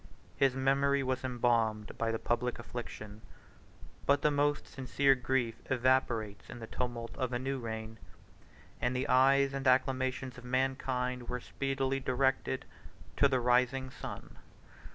His memory was embalmed by the public affliction; but the most sincere grief evaporates in the tumult of a new reign, and the eyes and acclamations of mankind were speedily directed to the rising sun.